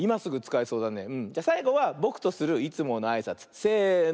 じゃさいごはぼくとするいつものあいさつ。せの。